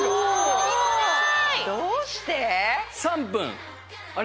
どうして？